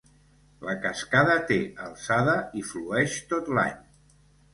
La cascada té alçada i flueix tot l'any.